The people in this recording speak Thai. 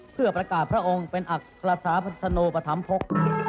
เพื่อประกาศพระองค์เป็นอักษรฐาพัสโนปธรรมภก